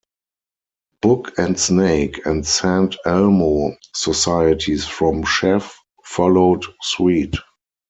Book and Snake and Saint Elmo societies from Sheff, followed suit.